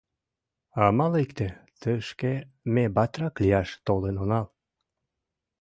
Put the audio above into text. Амал икте: тышке ме батрак лияш толын онал.